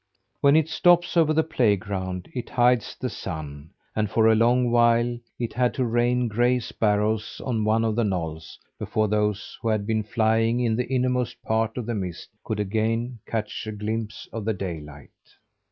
When it stops over the playground it hides the sun; and for a long while it had to rain gray sparrows on one of the knolls, before those who had been flying in the innermost part of the mist could again catch a glimpse of the daylight.